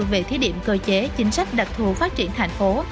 về thiết điểm cơ chế chính sách đặc thù phát triển thành phố